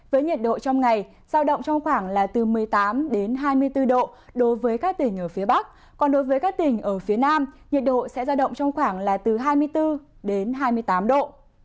với nhiệt độ trong ngày giao động trong khoảng là từ một mươi tám hai mươi bốn độ đối với các tỉnh ở phía bắc còn đối với các tỉnh ở phía nam nhiệt độ sẽ ra động trong khoảng là từ hai mươi bốn đến hai mươi tám độ